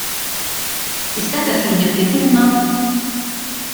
" Tista' tagħtini ftit ilma? "